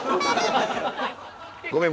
ごめん。